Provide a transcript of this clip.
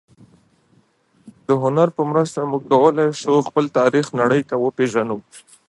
د هنر په مرسته موږ کولای شو خپل تاریخ نړۍ ته وپېژنو.